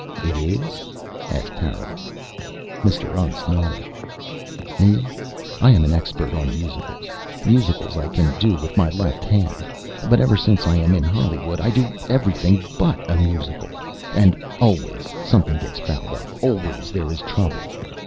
"It is?" asked Harold. Mr. Untz nodded. "Me, I am an expert on musicals. Musicals I can do with my left hand. But ever since I am in Hollywood I do everything but a musical. And always something gets fouled up. Always there is trouble.